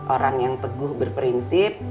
orang yang teguh berprinsip